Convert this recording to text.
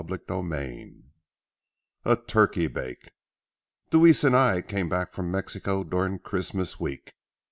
CHAPTER XI A TURKEY BAKE Deweese and I came back from Mexico during Christmas week.